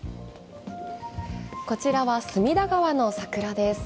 こちらは隅田川の桜です。